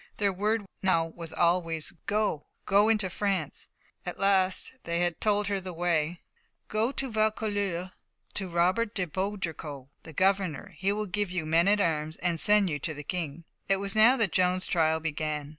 Their word now was always, "Go go into France!" At last they had told her the way: "Go to Vaucouleurs, to Robert de Baudricourt, the governor; he will give you men at arms, and send you to the King." It was now that Joan's trial began.